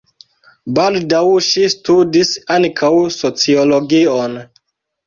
Baldaŭ ŝi studis ankaŭ sociologion.